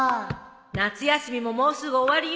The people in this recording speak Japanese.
夏休みももうすぐ終わりよ。